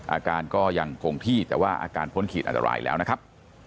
อาการก็ยังคงที่แต่ว่าอาการพ้นขีดอันตรายแล้วนะครับ